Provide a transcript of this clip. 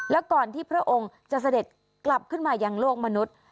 และก่อนที่พระองค์จะเสด็จกลับขึ้นมายังโลกมนุษย์